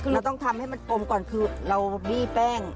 เราต้องทำให้มันกลมก่อนคือเราบี้แป้ง